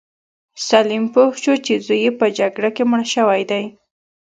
سلیم پوه شو چې زوی یې په جګړه کې مړ شوی دی.